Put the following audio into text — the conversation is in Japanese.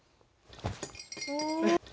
お！